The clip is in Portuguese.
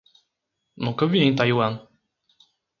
Nunca vi em Taiwan